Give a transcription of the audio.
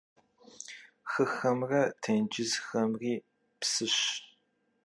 Xıxemre têncızxemri psış.